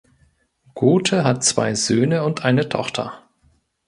Gothe hat zwei Söhne und eine Tochter.